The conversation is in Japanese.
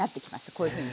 こういうふうに。